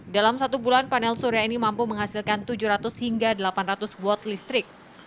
dalam satu bulan panel surya ini mampu menghasilkan tujuh ratus hingga delapan ratus watt listrik